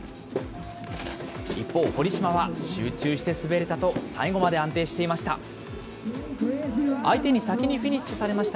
一方、堀島は集中して滑れたと、最後まで安定していました。